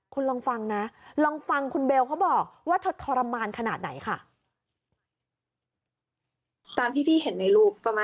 คุณลองฟังนะลองฟังคุณเบลเขาบอกว่าเธอทรมานขนาดไหนค่ะ